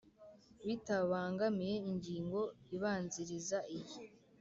Bitabangamiye ingingo ibanziriza iyi